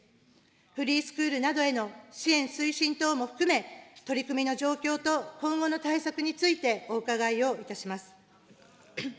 フリースクールなどへの支援推進等も含め、取り組みの状況と今後の対策についてお伺いをいたします。